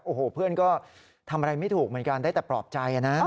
โอ้โหเพื่อนก็ทำอะไรไม่ถูกเหมือนกันได้แต่ปลอบใจนะ